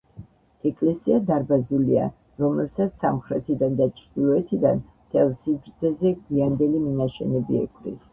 ეკლესია დარბაზულია, რომელსაც სამხრეთიდან და ჩრდილოეთიდან მთელ სიგრძეზე გვიანდელი მინაშენები ეკვრის.